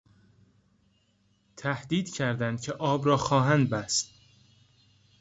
تهدید کردند که آب را خواهند بست.